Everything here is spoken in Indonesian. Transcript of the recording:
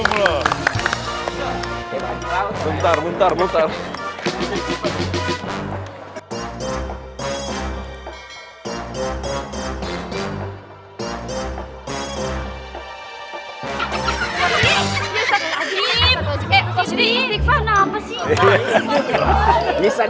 bisa dia lebih gajar